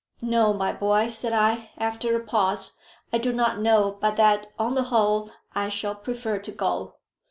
"No, my boy," said I, after a pause, "I do not know but that on the whole I shall prefer to go."